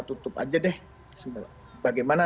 tutup aja deh bagaimana